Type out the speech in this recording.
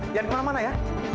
jangan kemana mana ya